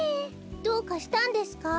どうかしたんですか？